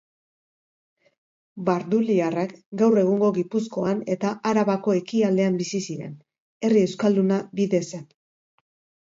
Barduliarrak gaur egungo Gipuzkoan eta Arabako ekialdean bizi ziren. Herri euskalduna bide zen.